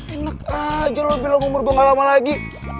enak aja lu bilang umur gua gak lama lagi